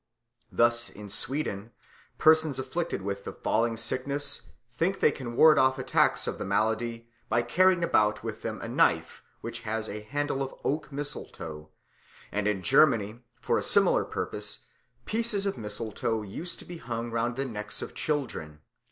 Thus in Sweden persons afflicted with the falling sickness think they can ward off attacks of the malady by carrying about with them a knife which has a handle of oak mistletoe; and in Germany for a similar purpose pieces of mistletoe used to be hung round the necks of children.